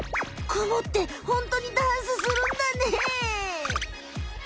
クモってホントにダンスするんだね！